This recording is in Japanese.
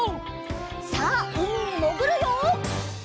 さあうみにもぐるよ！